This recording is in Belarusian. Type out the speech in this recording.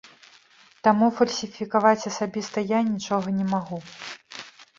Таму фальсіфікаваць асабіста я нічога не магу.